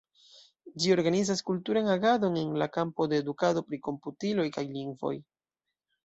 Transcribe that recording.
Ĝi organizas kulturan agadon en la kampo de edukado pri komputiloj kaj lingvoj.